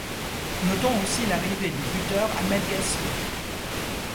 Notons aussi l'arrivée du buteur Ahmed Gasmi.